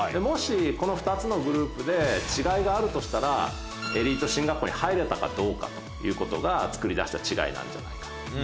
もしこの２つのグループで違いがあるとしたらエリート進学校に入れたかどうかということがつくり出した違いなんじゃないか。